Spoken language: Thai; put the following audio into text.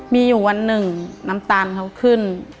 มีอยู่วันหนึ่งน้ำตาลเขาขึ้น